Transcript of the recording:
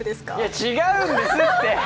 違うんですって！